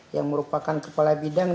yang merupakan kepala bidang